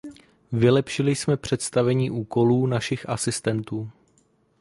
Vylepšili jsme představení úkolů našich asistentů.